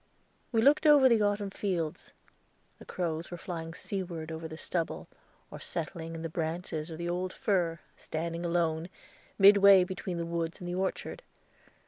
We looked over the autumn fields; the crows were flying seaward over the stubble, or settling in the branches of an old fir, standing alone, midway between the woods and the orchard.